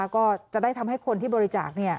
ก็จะได้ทำให้คนที่บริจาค